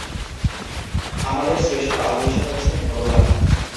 আমাদের শ্রেষ্ঠ আদর্শ হচ্ছেন ভগবান্।